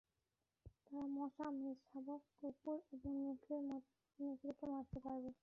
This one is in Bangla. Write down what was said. তারা মশা, মেষশাবক, কুকুর এবং নেকড়েকে মারতে পারবে।